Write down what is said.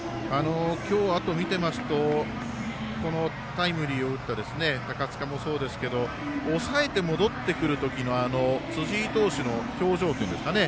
今日、見てますとこのタイムリーを打った高塚もそうですけど抑えて戻ってくる辻井投手の表情というんですかね。